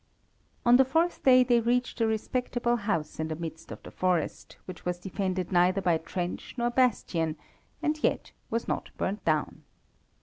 ] On the fourth day they reached a respectable house in the midst of the forest, which was defended neither by trench nor bastion, and yet was not burnt down.